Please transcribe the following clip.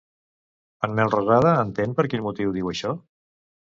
En Melrosada entén per quin motiu diu això?